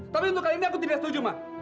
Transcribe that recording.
tapi untuk kali ini aku tidak setuju mbak